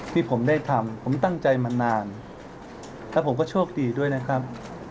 ที่ผมได้ทำผมตั้งใจมานานแล้วผมก็โชคดีด้วยนะครับ